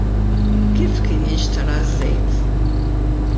Kif kien jinxtara ż-żejt?